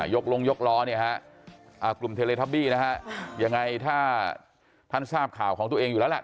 ยกลงยกล้อเนี่ยฮะกลุ่มเทเลท็อปบี้นะฮะยังไงถ้าท่านทราบข่าวของตัวเองอยู่แล้วล่ะ